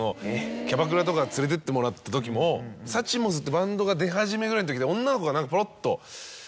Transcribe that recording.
キャバクラとか連れてってもらったときもサチモスってバンドが出始めぐらいのときで女の子がポロっと。